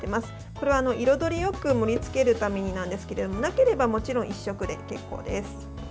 これは彩りよく盛りつけるためなんですけれどもなければ、もちろん１色で結構です。